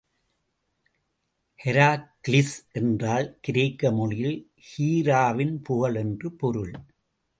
Herakles என்றால் கிரேக்க மொழியில் ஹீராவின் புகழ் என்று பொருள்.